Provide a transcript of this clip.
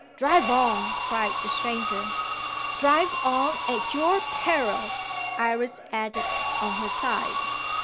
"Drive on!" cried the stranger. "Drive on, at your peril," Iris added, on her side.